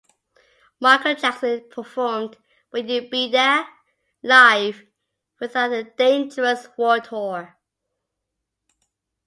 Michael Jackson performed "Will You Be There" live throughout the Dangerous World Tour.